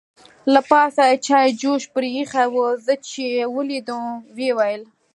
له پاسه یې چای جوش پرې اېښې وه، زه چې یې ولیدم ویې ویل.